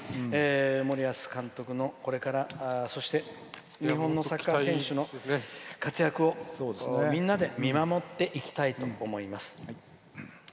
森保監督のこれから、そして日本のサッカー選手の活躍をみんなで見守っていきたいと思います。